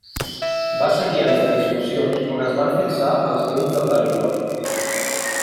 Van seguir anys de discussions on es van fixar els límits del territori.